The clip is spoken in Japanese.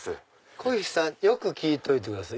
こひさんよく聞いといてください